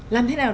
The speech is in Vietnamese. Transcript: làm thế nào